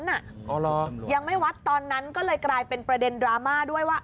ยังไม่วัดตอนนั้นก็เลยกลายเป็นประเด็นดราม่าด้วยว่า